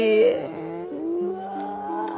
うわ。